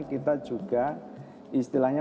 kita juga istilahnya